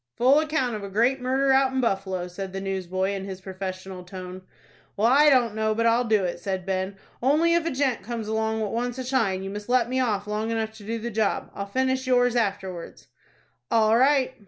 "Full account of a great murder out in Buffalo," said the newsboy, in his professional tone. "Well, I don't know but I'll do it," said Ben. "Only if a gent comes along what wants a shine, you must let me off long enough to do the job. I'll finish yours afterwards." "All right."